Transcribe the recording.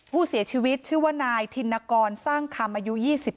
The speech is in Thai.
ผู้เสียชีวิตชื่อว่านายธินกรสร้างคำอายุ๒๗